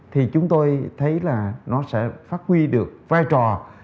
thì chúng tôi thấy là nó sẽ phát huy được vai trò